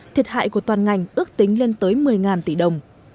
thiệt hại của toàn ngành ước tính lên tới một mươi tỷ đồng